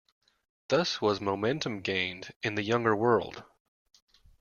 Thus was momentum gained in the Younger World.